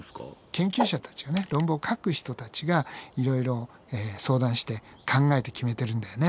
研究者たちがね論文を書く人たちがいろいろ相談して考えて決めてるんだよね。